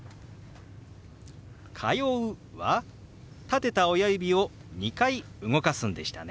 「通う」は立てた親指を２回動かすんでしたね。